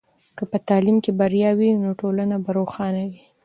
که په تعلیم کې بریا وي، نو ټولنه به روښانه وي.